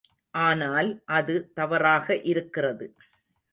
ஆனால் அது தவறாக இருக்கிறது.